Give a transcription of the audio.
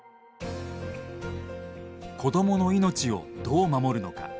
子どもの命をどう守るのか。